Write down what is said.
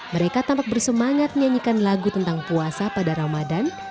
mereka tampak bersemangat menyanyikan lagu tentang puasa pada ramadan